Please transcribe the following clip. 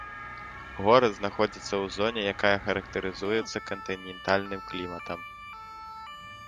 Горад знаходзіцца ў зоне, якая характарызуецца кантынентальным кліматам.